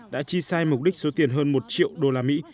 đã chi sai mục đích số tiền hơn một triệu đô la mỹ